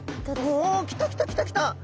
おおきたきたきたきた！